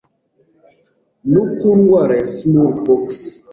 no ku ndwara ya smallpox